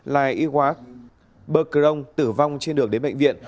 lai y hua brong tử vong trên đường đến bệnh viện